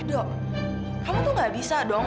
dok kamu tuh gak bisa dong